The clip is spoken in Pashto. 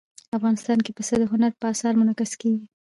افغانستان کې پسه د هنر په اثار کې منعکس کېږي.